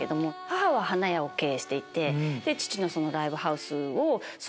母は花屋を経営していて父のライブハウスをそのまま。